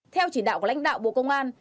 theo chỉ đạo của lãnh đạo bộ công an